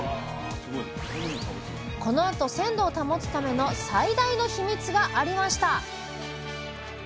このあと鮮度を保つための最大のヒミツがありました！